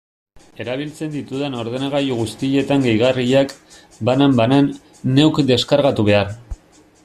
Erabiltzen ditudan ordenagailu guztietan gehigarriak, banan-banan, neuk deskargatu behar.